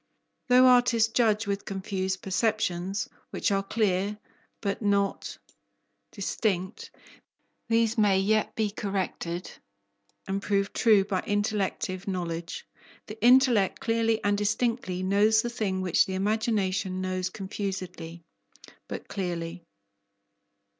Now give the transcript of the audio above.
Though artists judge with confused perceptions, which are clear but not distinct, these may yet be corrected and proved true by intellective knowledge. The intellect clearly and distinctly knows the thing which the imagination knows confusedly but clearly.